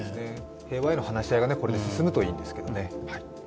平和への話し合いがこれで進といいんですけどね。